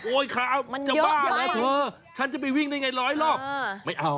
โอ๊ยค่ะจะบ้าเหรอเธอฉันจะไปวิ่งได้ไงร้อยรอบไม่เอา